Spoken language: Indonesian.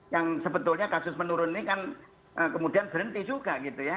yang sebetulnya kasus menurun ini kan kemudian berhenti juga gitu ya